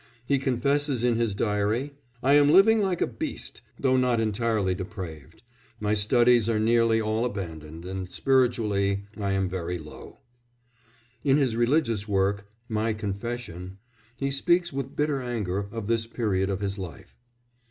He confesses in his diary: "I am living like a beast, though not entirely depraved; my studies are nearly all abandoned, and spiritually I am very low." In his religious work, My Confession, he speaks with bitter anger of this period of his life.